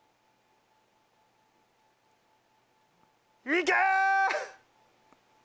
いけ！